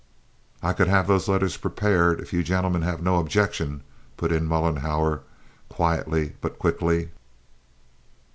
"I could have those letters prepared, if you gentlemen have no objection," put in Mollenhauer, quietly, but quickly.